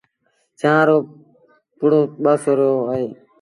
چآنه رو پڙو ٻآسورو اهي۔